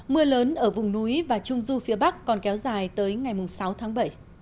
mưa lớn ở vùng núi và trung du phía bắc còn kéo dài tới ngày sáu tháng bảy